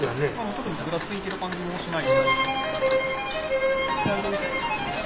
特にふらついてる感じもしない。